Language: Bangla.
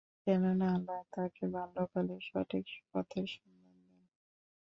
কেননা, আল্লাহ তাঁকে বাল্যকালেই সঠিক পথের সন্ধান দেন।